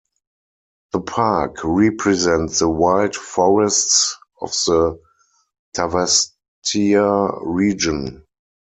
The park represents the wild forests of the Tavastia region.